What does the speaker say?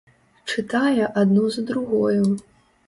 Чытае адну за другою.